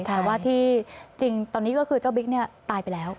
แต่ว่าที่จริงตอนนี้ก็คือเจ้าบิ๊กเนี่ยตายไปแล้ว